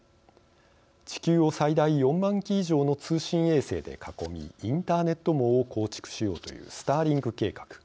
地球を最大４万機以上の通信衛星で囲みインターネット網を構築しようという「スターリンク」計画。